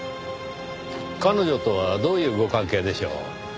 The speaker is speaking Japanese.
彼女とはどういうご関係でしょう？